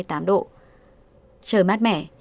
trời mát mẻ